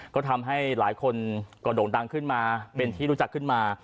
ก็ทำให้หลายคนก็โด่งดังขึ้นมาเป็นที่รู้จักขึ้นมา